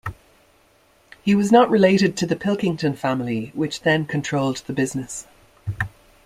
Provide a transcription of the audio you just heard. He was not related to the Pilkington family which then controlled the business.